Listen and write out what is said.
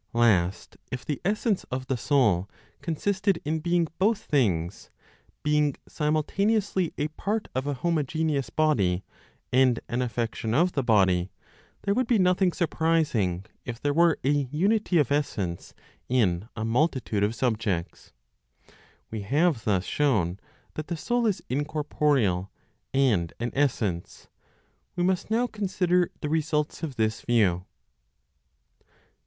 Last, if the essence of the soul consisted in being both things (being simultaneously a part of a homogeneous body and an affection of the body), there would be nothing surprising (if there were a unity of essence in a multitude of subjects). We have thus shown that the soul is incorporeal, and an essence; we must now consider the results of this view.